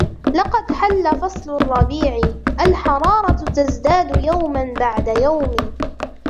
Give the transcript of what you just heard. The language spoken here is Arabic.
لقد حل فصل الربيع ، الحرارة تزداد يوما بعد يوم.